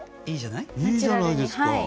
いいじゃないですか。